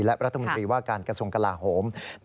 และพลเอกพระวิทย์ว่าการกระทรงกะลาโหม